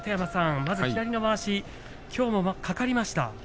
まず左のまわしきょうもかかりました。